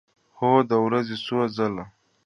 هو، د ورځې څو ځله